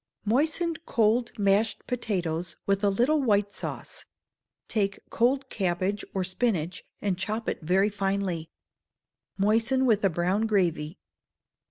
Moisten cold mashed potatoes with a little white sauce: take cold cabbage or spinach, and chop it very finely. Moisten with a brown gravy.